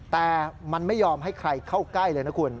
แต่มันไม่ยอมให้ใครเข้าใกล้เลยนะคุณ